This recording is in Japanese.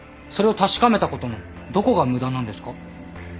それを確かめたことのどこが無駄なんですか？